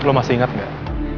lo masih ingat gak